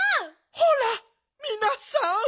ほらみなさん